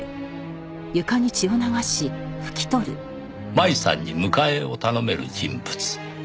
麻衣さんに迎えを頼める人物。